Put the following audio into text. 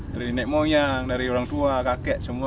dari nenek moyang dari orang tua kakek semua